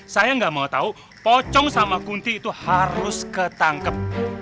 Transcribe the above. saya nggak mau tahu pocong sama kunti itu harus ketangkep